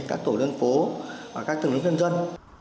các tổ đơn phố và các tổ lực nhân dân